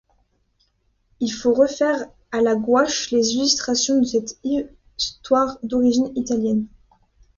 Il faut refaire à la gouache les illustrations de cette histoire d'origine italienne.